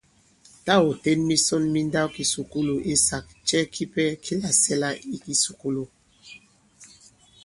Tâ ɔ̀ ten misɔn mi nndawkìsùkulù insāk, cɛ kipɛ ki làsɛ̀la i kisùkulù ?